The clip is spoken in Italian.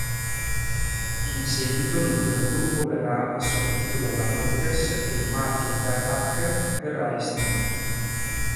In seguito, l'intero gruppo verrà assorbito dalla Rootes e il marchio Darracq verrà estinto.